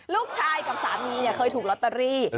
ลูกชายกับสามีเนี่ยเคยถูกรัตเตอรี่